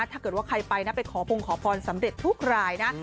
ถ้าเกิดว่าใครไปนะไปขอพงขอพรสำเร็จทุกรายนะ